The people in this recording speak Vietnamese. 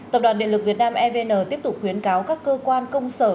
tập đoàn điện lực việt nam evn tiếp tục khuyến cáo các cơ quan công sở